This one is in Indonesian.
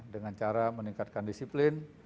dengan cara meningkatkan disiplin